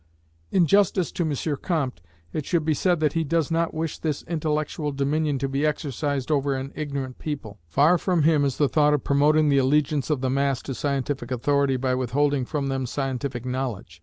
In justice to M. Comte it should be said that he does not wish this intellectual dominion to be exercised over an ignorant people. Par from him is the thought of promoting the allegiance of the mass to scientific authority by withholding from them scientific knowledge.